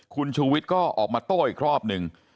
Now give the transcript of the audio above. คุณชูวิทย์ก็ออกมาโต้อีกรอบหนึ่ง